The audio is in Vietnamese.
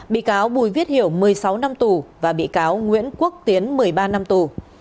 bị cáo bùi viết hiểu một mươi sáu năm tù và bị cáo nguyễn quốc tiến một mươi ba năm tù